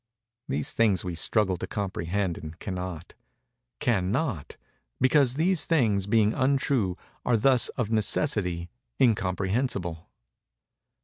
These things we struggle to comprehend and cannot:—cannot, because these things, being untrue, are thus, of necessity, incomprehensible.